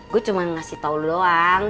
gue cuma ngasih tau doang